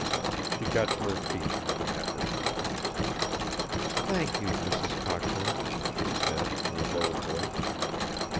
She got to her feet with an effort. "Thank you, Mrs. Cockburn," she said, in a low voice.